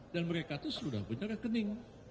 dan mereka itu sudah punya rekening